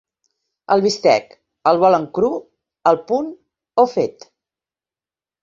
El bistec, el volen cru, al punt o fet?